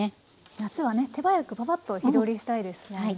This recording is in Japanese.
夏はね手早くパパッと火通りしたいですもんね。